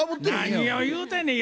何を言うてんねん。